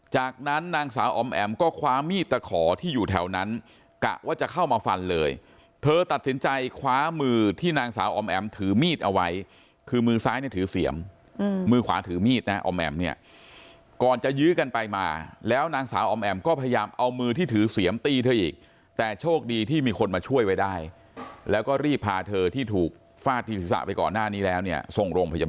จากนั้นนางสาวอ๋อมแอมก็คว้ามีดตะขอที่อยู่แถวนั้นกะว่าจะเข้ามาฟันเลยเธอตัดสินใจคว้ามือที่นางสาวอ๋อมแอมถือมีดเอาไว้คือมือซ้ายถือเสียมมือขวาถือมีดนะอ๋อมแอมเนี่ยก่อนจะยื้อกันไปมาแล้วนางสาวอ๋อมแอมก็พยายามเอามือที่ถือเสียมตีเธออีกแต่โชคดีที่มีคนมาช่วยไว้ได้แล้วก็รีบ